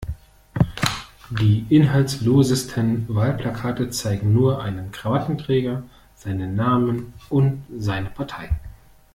Die inhaltslosesten Wahlplakate zeigen nur einen Krawattenträger, seinen Namen und seine Partei.